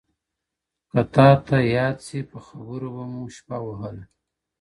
• کۀ تاته ياد سي پۀ خبرو بۀ مو شپه وهله,